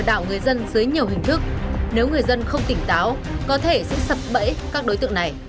đảo người dân dưới nhiều hình thức nếu người dân không tỉnh táo có thể sẽ sập bẫy các đối tượng này